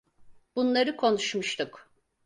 Bunları konuşmuştuk.